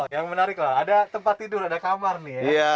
yang menarik lah ada tempat tidur ada kamar nih ya